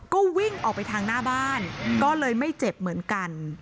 ก็วิ่งออกไปทางหน้าบ้านก็เลยไม่เจ็บเหมือนกัน